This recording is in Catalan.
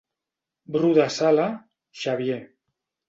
Bru de sala, Xavier.